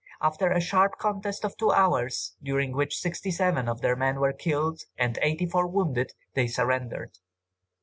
After a sharp contest of two hours, during which sixty seven of their men were killed and eighty four wounded, they surrendered.